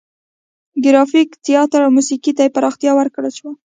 ګرافیک، تیاتر او موسیقي ته پراختیا ورکړل شوه.